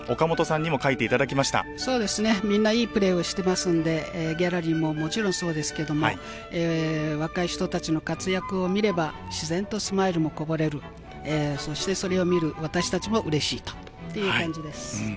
岡本さんにも書みんないいプレーをしていますので、ギャラリーはもちろん、若い人たちの活躍を見れば、自然とスマイルもこぼれる、それを見る私たちもうれしいという感じです。